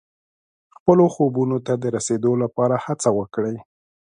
خپلو خوبونو ته د رسېدو لپاره هڅه وکړئ.